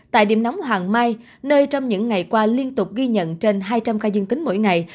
tại điểm nóng hoàng mai nơi trong những ngày qua liên tục ghi nhận trên hai trăm linh ca dương tính mỗi ngày